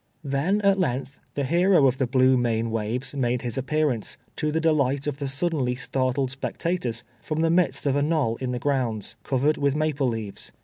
Then, at length, the hero of the "Blue Main Waves" made his appearance, to the delight of the suddenly startled spectators, from the midst of a knoll in the grounds, covered with maple leaves.